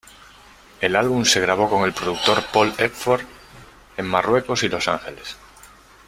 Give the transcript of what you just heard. El álbum se grabó con el productor Paul Epworth en Marruecos y Los Ángeles.